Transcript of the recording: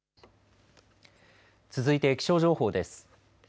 続いて気象情報です。